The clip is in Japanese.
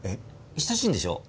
親しいんでしょ？